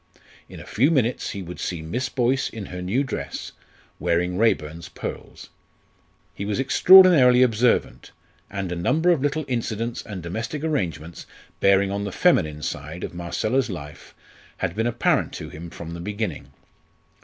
In a few minutes he would see Miss Boyce in her new dress, wearing Raeburn's pearls. He was extraordinarily observant, and a number of little incidents and domestic arrangements bearing on the feminine side of Marcella's life had been apparent to him from the beginning.